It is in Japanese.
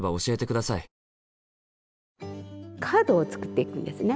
カードを作っていくんですね。